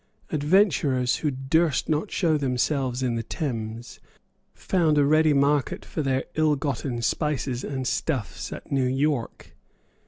Adventurers who durst not show themselves in the Thames found a ready market for their illgotten spices and stuffs at New York.